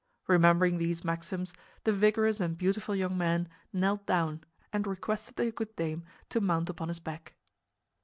Remembering these maxims, the vigorous and beautiful young man knelt down and requested the good dame to mount upon his back.